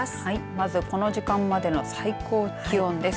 まずこの時間までの最高気温です。